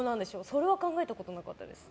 それは考えたことなかったです。